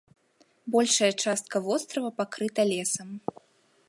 Большая частка вострава пакрыта лесам.